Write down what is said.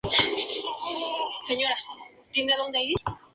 Se guarda en el Museo Diocesano y Catedralicio de Valladolid.